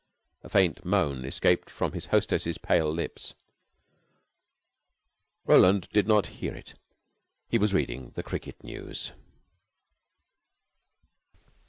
A faint moan escaped from his hostess's pale lips. Roland did not hear it. He was reading the cricket news.